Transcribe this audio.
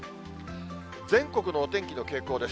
全国のお天気の傾向です。